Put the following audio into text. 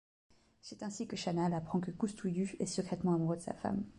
C'est ainsi que Chanal apprend que Coustouillu est secrètement amoureux de sa femme.